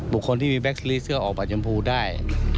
บุคคลที่มีแบคซีรีสเชื้อออกบัตรยมพูได้